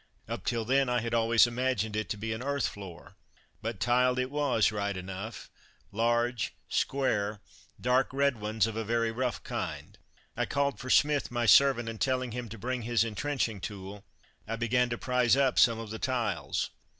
Up till then I had always imagined it to be an earth floor, but tiled it was right enough large, square, dark red ones of a very rough kind. I called for Smith, my servant, and telling him to bring his entrenching tool, I began to prize up some of the tiles.